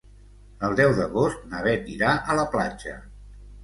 El deu d'agost na Beth irà a la platja.